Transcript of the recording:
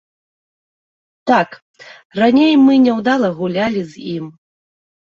Так, раней мы няўдала гулялі з ім.